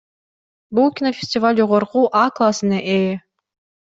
Бул кинофестиваль жогорку А классына ээ.